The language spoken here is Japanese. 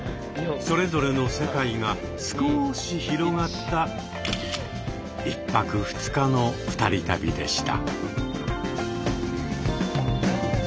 それぞれの世界が少し広がった１泊２日の二人旅でした。